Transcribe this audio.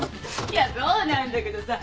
いやそうなんだけどさ。